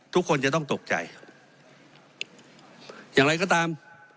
ทุกคนจะต้องตกใจอย่างไรก็ตาม